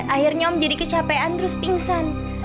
akhirnya om jadi kecapean terus pingsan